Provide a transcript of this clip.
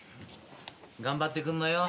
頑張ってくんのよ。